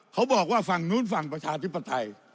เขาบอกว่าฝั่งนู้นฝั่งประชาธิปไตย